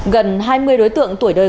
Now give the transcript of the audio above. gần hai mươi đối tượng tuổi đời